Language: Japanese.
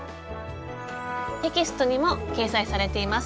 テキストにも掲載されています。